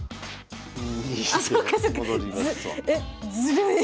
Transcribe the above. えっずるい。